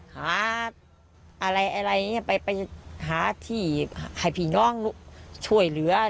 หาที่ให้พี่น้องช่วยเหลือ